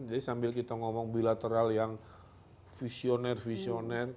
jadi sambil kita ngomong bilateral yang visioner visioner